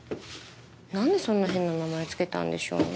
なんでそんな変な名前付けたんでしょうね？